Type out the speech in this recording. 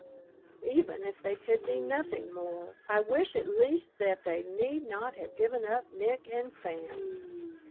Even if they could be nothing more, I wish at least that they need not have given up Nick and Fan!